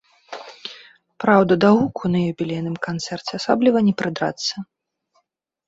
Праўда, да гуку на юбілейным канцэрце асабліва не прыдрацца.